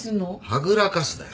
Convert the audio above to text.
はぐらかすなよ。